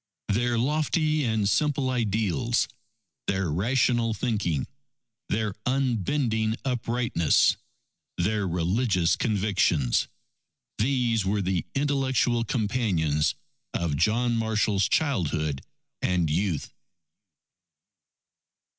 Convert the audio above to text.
Their lofty and simple ideals, their rational thinking, their unbending uprightness, their religious convictions these were the intellectual companions of John Marshall's childhood and youth.